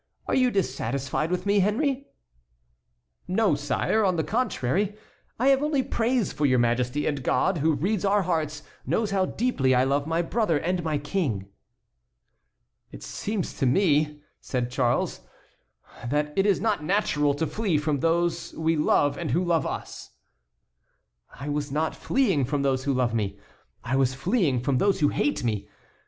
Are you dissatisfied with me, Henry?" "No, sire; on the contrary, I have only praise for your majesty; and God, who reads our hearts, knows how deeply I love my brother and my King." "It seems to me," said Charles, "that it is not natural to flee from those we love and who love us." "I was not fleeing from those who love me; I was fleeing from those who hate me.